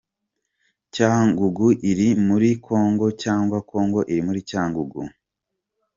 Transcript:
Cyangugu iri muri Congo, cyangwa Congo iri muri Cyangugu ?.